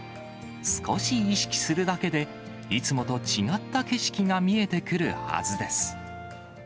少し意識するだけで、いつもと違った景色が見えてくるはずです。